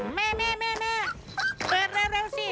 แม่เปิดแล้วสิ